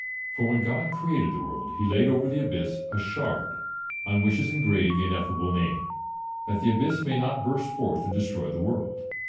For when God created the world, He laid over the abyss a shard, on which is engraved the Ineffable Name, that the abyss may not burst forth and destroy the world.